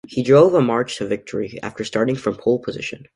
He drove a March to victory after starting from pole position.